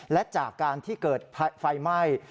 และจากการที่เกิดไฟไหม้